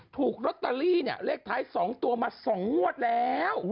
ถูกลอตเตอรี่เลขท้าย๒ตัวมา๒งวดแล้ว